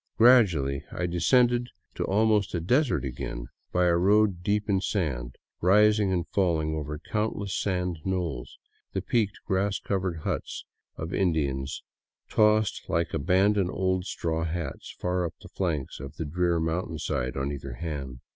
Gradually I descended to al most a desert again, by a road deep in sand, rising and falling over countless sand knolls, the peaked, grass covered huts of Indians tossed like abandoned old straw hats far up the flanks of the drear mountain sides on either hand.